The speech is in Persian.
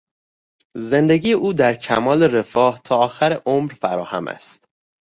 زندگی او در کمال رفاه تا آخر عمر فراهم است.